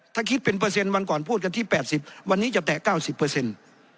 ถ้าคิดเป็นเปอร์เซ็นต์วันก่อนพูดกันที่แปดสิบวันนี้จะแตะ๙๐เปอร์เซ็นต์